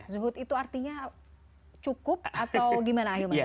zuhud itu artinya cukup atau gimana ahilman